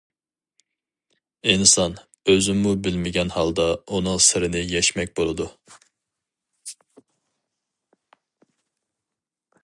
ئىنسان ئۆزىمۇ بىلمىگەن ھالدا ئۇنىڭ سىرىنى يەشمەك بولىدۇ.